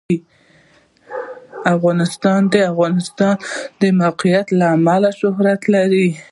افغانستان د د افغانستان د موقعیت له امله شهرت لري.